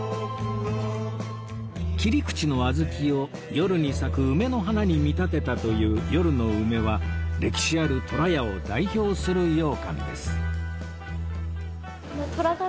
切り口の小豆を夜に咲く梅の花に見立てたという「夜の梅」は歴史あるとらやを代表する羊羹です